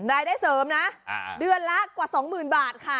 รายได้เสริมนะเดือนละกว่าสองหมื่นบาทค่ะ